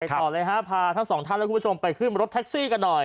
ต่อเลยฮะพาทั้งสองท่านและคุณผู้ชมไปขึ้นรถแท็กซี่กันหน่อย